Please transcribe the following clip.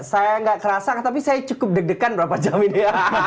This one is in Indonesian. saya nggak kerasa tapi saya cukup deg degan berapa jam ini ya